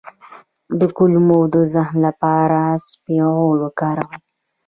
د کولمو د زخم لپاره اسپغول وکاروئ